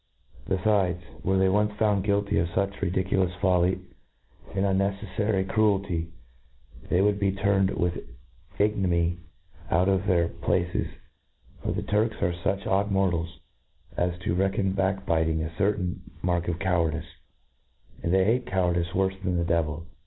Bcfides, were they once found guilty of fuch 5^2 INTRODUCTION. fuch ridiculous folly , and unncceffary cruelty, they would be turned with ignominy out of their pla ces }— for the Turks are fuch odd mortals, as to reckon back »biting a certain mark of cowardice j and they bate cowardice worfc than the devil.